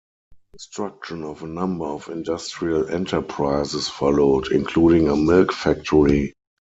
Construction of a number of industrial enterprises followed, including a milk factory.